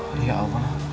aduh ya allah